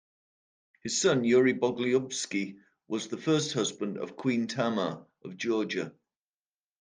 His son, Yuri Bogolyubsky, was the first husband of Queen Tamar of Georgia.